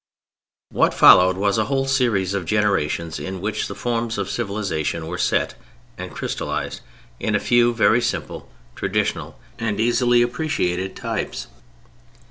What followed was a whole series of generations in which the forms of civilization were set and crystallized in a few very simple, traditional and easily appreciated types.